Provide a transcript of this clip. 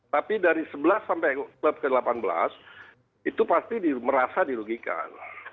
tapi dari sebelas sampai klub ke delapan belas itu pasti merasa dirugikan